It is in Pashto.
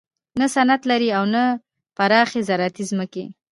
نه صنعت لري او نه پراخې زراعتي ځمکې.